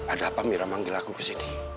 ada apa mira manggil aku kesini